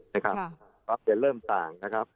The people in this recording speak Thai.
มันจึงเริ่มจากคนต่าง